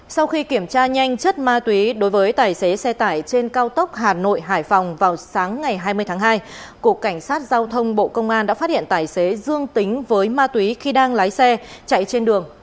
sau khi kiểm tra nhanh chất ma túy đối với tài xế xe tải trên cao tốc hà nội hải phòng vào sáng ngày hai mươi tháng hai cục cảnh sát giao thông bộ công an đã phát hiện tài xế dương tính với ma túy khi đang lái xe chạy trên đường